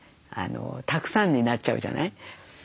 たくさんになっちゃうじゃない。